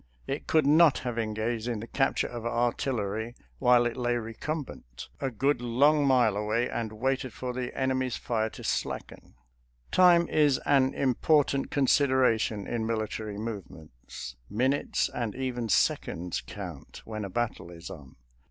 It could not have engaged in the capture of artillery while it lay recumbent, a good long mile away, and waited for the enemy's fire to slacken. Time is an important consideration in mili tary movements. Minutes and even seconds count when a battle is on.